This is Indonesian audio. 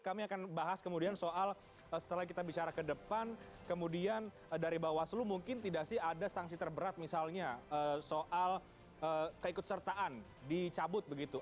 kami akan bahas kemudian soal setelah kita bicara ke depan kemudian dari bawaslu mungkin tidak sih ada sanksi terberat misalnya soal keikut sertaan dicabut begitu